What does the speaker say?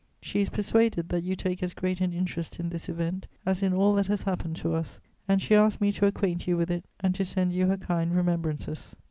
"She is persuaded that you take as great an interest in this event as in all that has happened to us, and she asks me to acquaint you with it and to send you her kind remembrances.